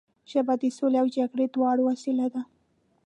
ژبه د سولې او جګړې دواړو وسیله ده